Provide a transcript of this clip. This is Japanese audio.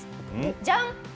じゃん！